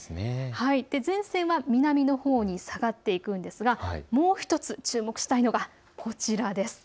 前線は南のほうに下がっていくんですがもう１つ注目したいのがこちらです。